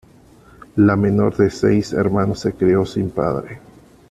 La menor de seis hermanos, se crio sin padre.